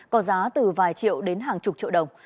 có giá từ vài triệu đến hàng chục triệu đồng